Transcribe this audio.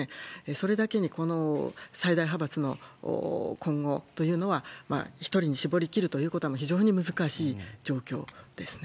それだけに、この最大派閥の今後というのは、１人に絞りきるということは非常に難しい状況ですね。